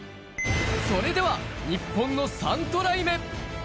それでは日本の３トライ目。